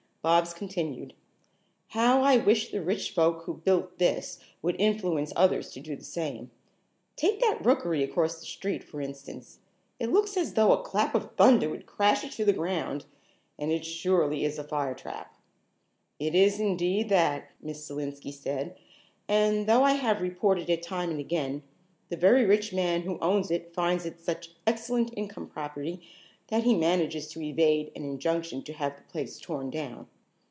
Bobs continued: "How I wish the rich folk who built this would influence others to do the same. Take that rookery across the street, for instance. It looks as though a clap of thunder would crash it to the ground, and it surely is a fire trap." "It is indeed that," Miss Selenski said, "and though I have reported it time and again, the very rich man who owns it finds it such excellent income property that he manages to evade an injunction to have the place torn down.